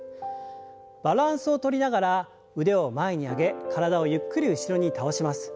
バランスをとりながら腕を前に上げ体をゆっくり後ろに倒します。